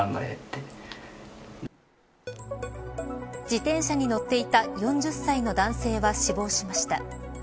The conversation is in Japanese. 自転車に乗っていた４０歳の男性は死亡しました。